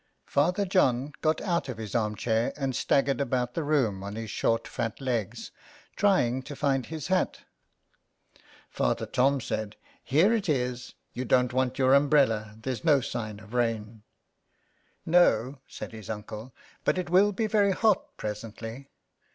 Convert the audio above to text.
Father John got out of his arm chair and staggered about the room on his short fat legs, trying to find his hat. Father Tom said — 60 SOME PARISHIONERS. " Here it is. You don't want your umbrella. There's no sign of rain." No," said his uncle, "but it will be very hot presently.